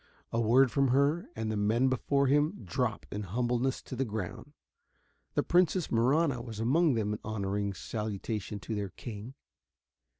A word from her, and the men before him dropped in humbleness to the ground. The Princess Marahna was among them in honoring salutation to their king.